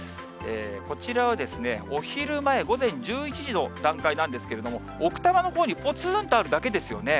こちらはお昼前、午前１１時の段階なんですけれども、奥多摩のほうにぽつんとあるだけですよね。